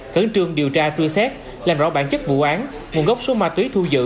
khẩn trương điều tra chư xét làm rõ bản chất vụ án nguồn gốc số ma túy thu dự